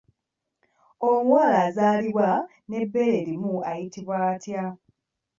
Omuwala azaalibwa n'ebbeere erimu ayitibwa atya?